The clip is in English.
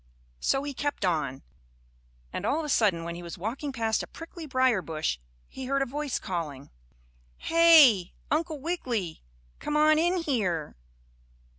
So he kept on, and all of a sudden when he was walking past a prickly briar bush, he heard a voice calling: "Hey, Uncle Wiggily, come on in here."